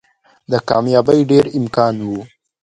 د کاميابۍ ډېر امکان وو